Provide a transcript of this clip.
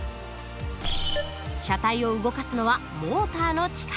車体を動かすのはモーターの力。